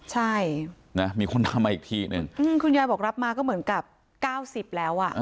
ใช่นะมีคนทำมาอีกทีนึงคุณยายบอกรับมาก็เหมือนกับ๙๐แล้วอ่ะ